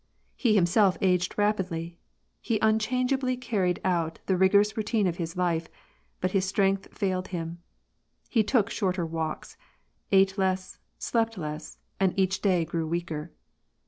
He himself aged rapidly ; he unchangeably carried . out the rigorous routine of his life, but his strength failed him : he took shorter walks, ate less, slept less, and each day grew weaker.